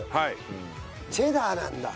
チェダーなんだ。